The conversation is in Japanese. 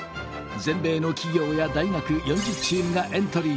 全米の企業や大学４０チームがエントリー。